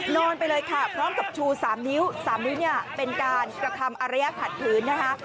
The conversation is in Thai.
นอนไปเลยค่ะพร้อมกับชูสามนิ้วสามนิ้วเป็นการกระทำอรยากถัดพื้นนะคะ